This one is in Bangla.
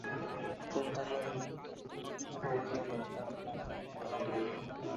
চিন্তার নীরব শক্তি দূরের মানুষকেও প্রভাবিত করে, কারণ মন এক, আবার বহু।